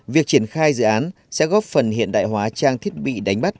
việc triển khai dự án sẽ góp phần hiện đại hóa trang thiết bị đánh bắt